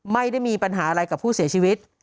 ไม่ได้มีปัญหาอะไรกับผู้เสียชีวิต